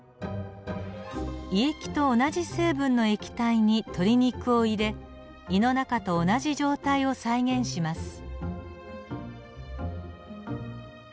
胃液と同じ成分の液体に鶏肉を入れ胃の中と同じ状態を再現します。